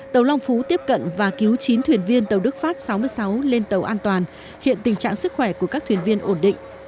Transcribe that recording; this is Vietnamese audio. tàu long phú tiếp cận và cứu chín thuyền viên tàu đức pháp sáu mươi sáu lên tàu an toàn hiện tình trạng sức khỏe của các thuyền viên ổn định